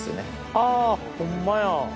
あホンマや！